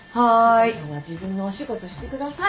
莉湖さんは自分のお仕事してください。